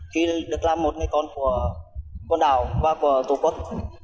khi được làm một người con của con đảo và của tổ quốc